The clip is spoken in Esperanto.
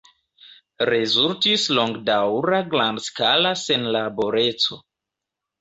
Rezultis longdaŭra grandskala senlaboreco.